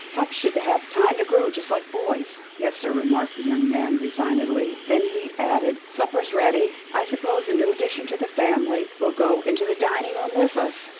Pups should have time to grow, just like boys." " Yes, sir," remarked the young man resignedly, then he added, " Supper is ready. I suppose the new addition to the family will go into the dining room with us."